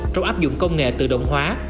trong áp dụng công nghệ tự động hóa